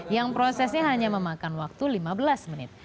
yang prosesnya hanya memakan waktu lima belas menit